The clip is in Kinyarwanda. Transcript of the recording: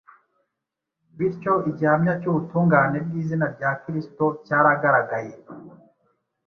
Bityo, igihamya cy’ubutungane bw’izina rya Kristo cyaragaragaye